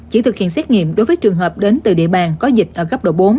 chỉ thực hiện xét nghiệm đối với trường hợp đến từ địa bàn có dịch ở cấp độ bốn